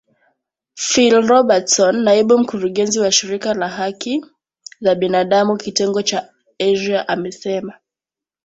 Phil Robertson naibu mkurugenzi wa shirika lahaki za binadamu kitengo cha Asia amesema